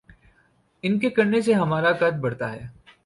ان کے کرنے سے ہمارا قد بڑھتا نہیں۔